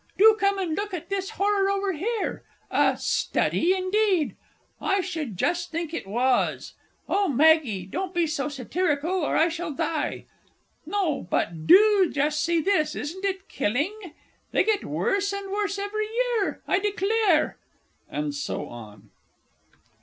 Do come and look at this horror over here. A "Study," indeed. I should just think it was! Oh, Maggie, don't be so satirical, or I shall die! No, but do just see this isn't it killing? They get worse and worse every year, I declare! [_And so on.